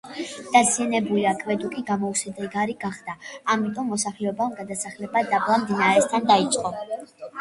დაზიანებული აკვედუკი გამოუსადეგარი გახდა, ამიტომ მოსახლეობამ გადასახლება დაბლა, მდინარესთან დაიწყო.